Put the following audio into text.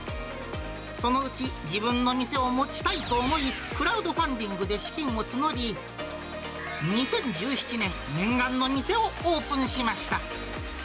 そのうち、自分の店を持ちたいと思い、クラウドファンディングで資金を募り、２０１７年、念願の店をオープンしました。